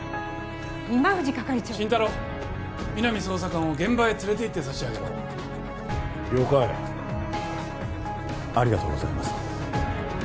今藤係長心太朗皆実捜査官を現場へ連れていってさしあげろ了解ありがとうございます